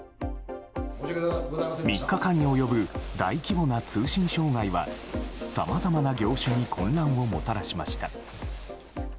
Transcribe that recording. ３日間に及ぶ大規模な通信障害はさまざまな業種に混乱をもたらしました。